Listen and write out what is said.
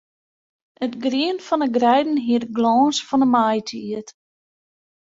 It grien fan 'e greiden hie de glâns fan 'e maitiid.